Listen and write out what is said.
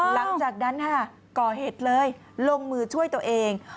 หลังจากนั้นค่ะก่อเหตุเลยลงมือช่วยตัวเอง